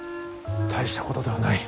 大したことではない。